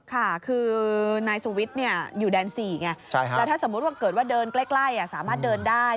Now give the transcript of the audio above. ค่ะคือนายสุวิทย์อยู่แดน๔ไงแล้วถ้าสมมุติว่าเกิดว่าเดินใกล้สามารถเดินได้